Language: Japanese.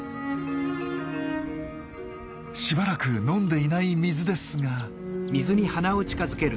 しばらく飲んでいない水ですが。